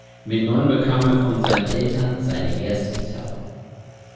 Mit neun bekam er von seinen Eltern seine erste Gitarre.